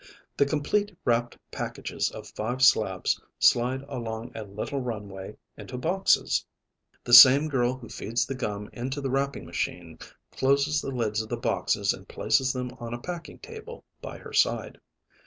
The complete, wrapped packages of five slabs slide along a little runway into boxes. The same girl who feeds the gum into the wrapping machine closes the lids of the boxes and places them on a packing table by her side.